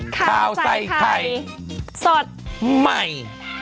ข่าวใส่ไข่สดใหม่